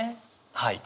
はい。